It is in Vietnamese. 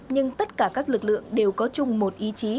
nhưng tất cả các lực lượng đều có chung một ý chí